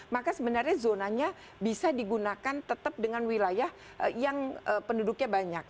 maka sebenarnya zonanya bisa digunakan tetap dengan wilayah yang penduduknya banyak